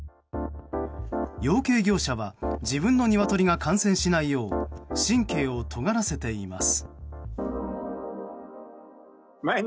養鶏業者は自分のニワトリが感染しないよう神経をとがらせています。